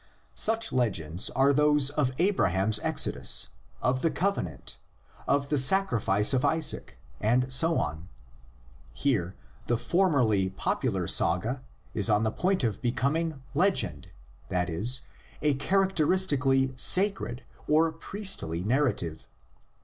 Such legends are those of Abraham's exodus, of the covenant, of the sacrifice of Isaac, and so on. Here the formerly popular saga is on the point of becoming "legend," that is, a char acteristically "sacred" or "priestly" narrative.